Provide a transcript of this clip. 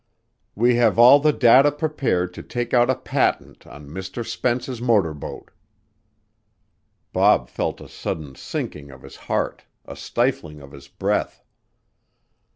We have all the data prepared to take out a patent on Mr. Spence's motor boat." Bob felt a sudden sinking of his heart, a stifling of his breath.